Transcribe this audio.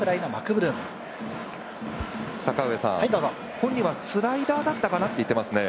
本人はスライダーだったかなと言ってますね。